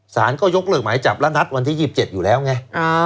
สารก็ยกเลิกหมายจับและนัดวันที่๒๗อยู่แล้วไง